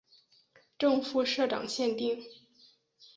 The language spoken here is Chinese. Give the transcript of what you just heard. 正副社长限定